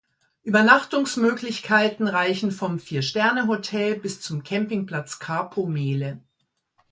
Übernachtungsmöglichkeiten reichen vom Viersterne-Hotel bis zum Campingplatz Capo Mele.